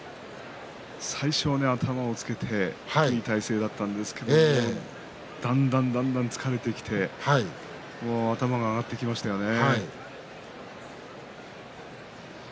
最初、頭をつけていい体勢だったんですけども疲れて頭が上がってきましたね。